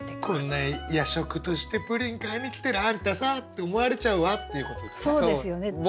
こんな夜食としてプリン買いに来てるあんたさって思われちゃうわっていうことですよね。